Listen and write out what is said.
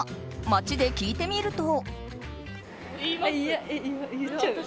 街で聞いてみると。